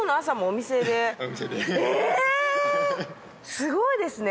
すごいですね。